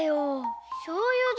しょうゆ！